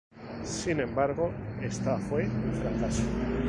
Sin embargo, esta fue un fracaso.